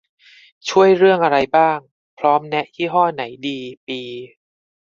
ช่วยเรื่องอะไรบ้าง พร้อมแนะยี่ห้อไหนดี ปี